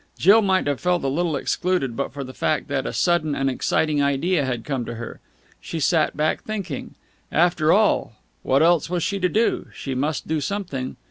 Jill might have felt a little excluded, but for the fact that a sudden and exciting idea had come to her. She sat back, thinking.... After all, what else was she to do? She must do something....